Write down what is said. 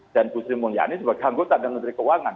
dan bu sri mulyani sebagai anggota dan menteri keuangan